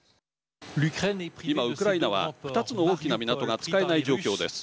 今、ウクライナは２つの大きな港が使えない状況です。